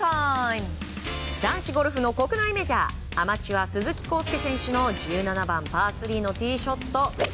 男子ゴルフの国内メジャーアマチュア、鈴木晃祐選手の１７番、パー３のティーショット。